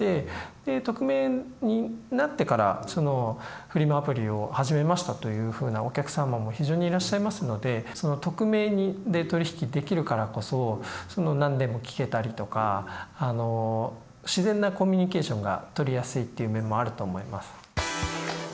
で匿名になってからフリマアプリを始めましたというふうなお客様も非常にいらっしゃいますので匿名で取り引きできるからこそ何でも聞けたりとか自然なコミュニケーションが取りやすいっていう面もあると思います。